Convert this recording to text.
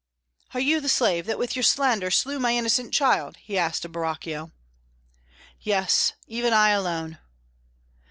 "Are you the slave that with your slander slew my innocent child?" he asked of Borachio. "Yes, even I alone."